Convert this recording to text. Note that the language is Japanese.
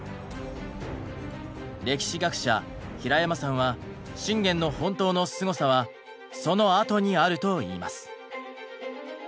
歴史学者平山さんは信玄の本当のすごさはそのあとにあると言います。